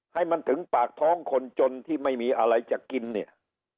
ให้มันถึงปากท้องคนจนที่ไม่มีอะไรจะกินเนี่ย